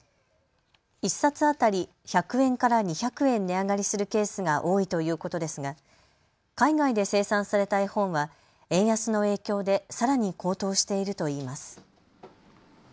１冊当たり１００円から２００円値上がりするケースが多いということですが海外で生産された絵本は円安の影響でさらに高騰しているといいます。